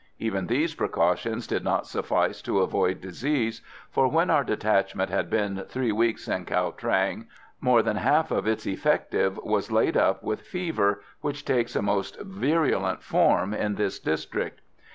Even these precautions did not suffice to avoid disease, for when our detachment had been three weeks in Cho Trang, more than half of its effective was laid up with fever, which takes a most virulent form in this district.